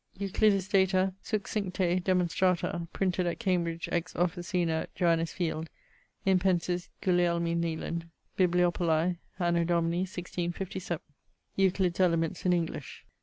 Euclidis data succincte demonstrata, printed at Cambridge ex officina Joannis Field, impensis Gulielmi Nealand, bibliopolae, anno Domini 1657. Euclid's Elements in English.